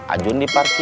ajun di parkiran